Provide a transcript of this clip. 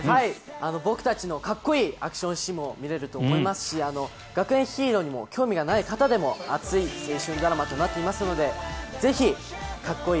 僕たちのかっこいいアクションシーンも見れると思いますし学園ヒーローにも興味がない方でも熱い青春ドラマとなっていますのでぜひかっこいい